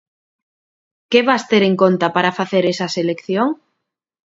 Que vas ter en conta para facer esa selección?